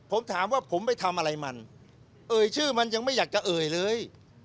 ผมถามว่าผมไปทำอะไรมันเอ่ยชื่อมันยังไม่อยากจะเอ่ยเลย